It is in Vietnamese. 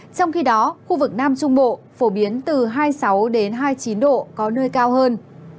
trong khi đó khu vực nam trung bộ phổ biến từ hai mươi sáu hai mươi chín độ có nơi cao hơn